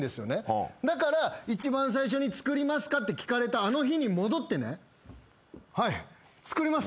だから一番最初に作りますかって聞かれたあの日に戻ってね「はい作ります」